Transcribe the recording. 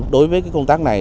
đối với công tác này